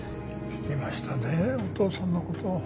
聞きましたでお父さんの事。